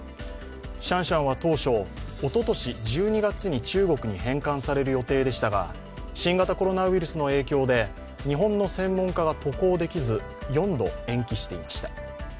シャンシャンは当初、おととし１２月に中国に返還される予定でしたが新型コロナウイルスの影響で日本の専門家が渡航できず４度、延期していました。